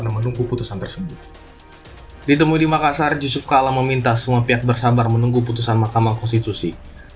ditemui di makassar yusuf kala meminta semua pihak bersabar menunggu putusan mahkamah konstitusi